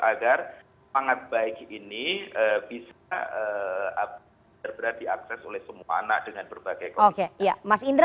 agar semangat baik ini bisa terberat diakses oleh semua anak dengan berbagai kondisi